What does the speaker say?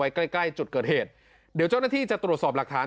ใกล้ใกล้จุดเกิดเหตุเดี๋ยวเจ้าหน้าที่จะตรวจสอบหลักฐาน